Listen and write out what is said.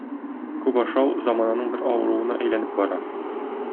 Күп ашау замананың бер авыруына әйләнеп бара.